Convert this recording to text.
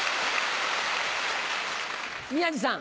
宮治さん。